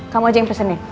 kamu aja yang pesenin